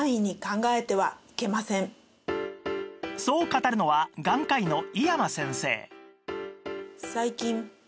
そう語るのは眼科医の井山先生